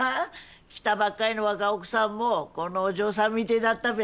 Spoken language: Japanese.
来たばっかりの若奥さんもこのお嬢さんみてえだったべ。